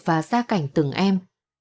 và xa cảnh từng em